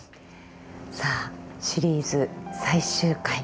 さあシリーズ最終回。